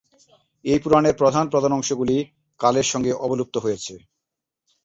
এই পুরাণের প্রধান প্রধান অংশগুলি কালের সঙ্গে অবলুপ্ত হয়েছে।